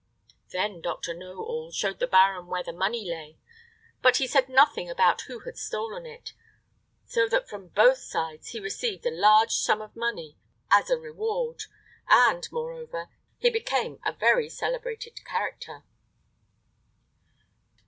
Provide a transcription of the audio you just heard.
Then Doctor Know All showed the baron where the money lay; but he said nothing about who had stolen it, so that from both sides he received a large sum of money as a reward, and, moreover, he became a very celebrated character.